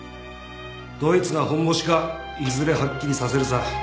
どいつがホンボシかいずれはっきりさせるさ。